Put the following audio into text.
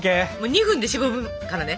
２分でしぼむからね。